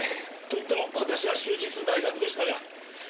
と言っても私は終日大学でしたが。